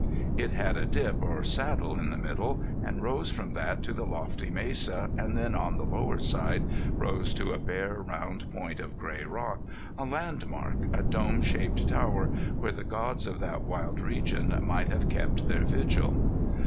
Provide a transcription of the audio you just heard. It had a dip or saddle in the middle, and rose from that to the lofty mesa, and then on the lower side, rose to a bare, round point of gray rock, a landmark, a dome shaped tower where the gods of that wild region might have kept their vigil.